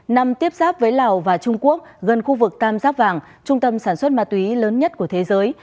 năm tiếp giáp với lào và trung quốc gần khu vực tam giác vàng trung tâm sản xuất ma túy lớn nhất của thế giới